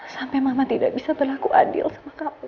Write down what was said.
sampai mama tidak bisa berlaku adil sama kamu